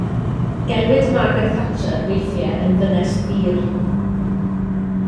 Gelwid Margaret Thatcher weithiau yn Ddynes Ddur.